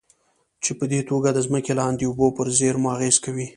چې پدې توګه د ځمکې لاندې اوبو پر زېرمو اغېز کوي.